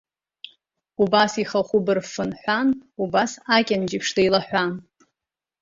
Убас ихахәы бырфын ҳәан, убас акьанџьеиԥш деилаҳәан.